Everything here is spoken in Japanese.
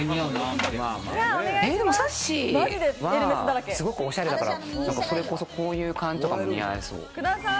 さっしーはすごくおしゃれだから、こういう感じとかも似合いそう。